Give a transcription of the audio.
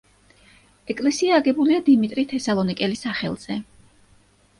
ეკლესია აგებულია დიმიტრი თესალონიკელის სახელზე.